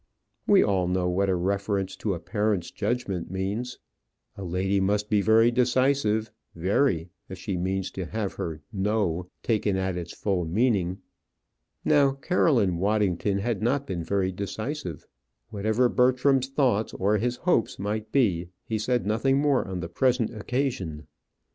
We all know what a reference to a parent's judgment means. A lady must be very decisive very, if she means to have her "no" taken at its full meaning. Now Caroline Waddington had not been very decisive. Whatever Bertram's thoughts or his hopes might be, he said nothing more on the present occasion.